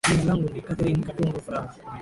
jina langu ni cathireen katungu furaha